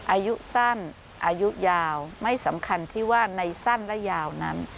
อายุสั้นอายุยาวไม่สำคัญที่ว่าในสั้นและยาวนั้น